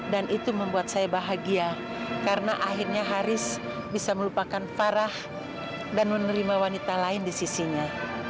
itu membuat saya bahagia karena akhirnya haris bisa melupakan farah dan menerima wanita lain di sisinya